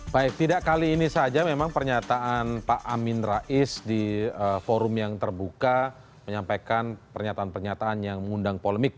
baik tidak kali ini saja memang pernyataan pak amin rais di forum yang terbuka menyampaikan pernyataan pernyataan yang mengundang polemik